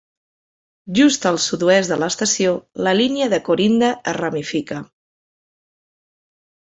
Just al sud-oest de l'estació, la línia de Corinda es ramifica.